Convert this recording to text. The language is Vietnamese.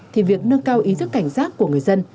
thì việc nâng cao ý thức cảnh giác của người dân